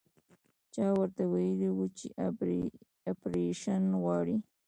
چا ورته ويلي وو چې اپرېشن غواړي.